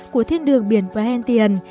của thiên đường biển perhentian